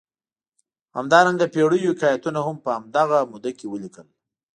همدارنګه پېړیو حکایتونه هم په همدغه موده کې ولیکل.